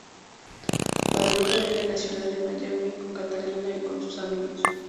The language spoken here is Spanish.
Guadalupe vive en la ciudad de Miami con Catalina y con sus amigas.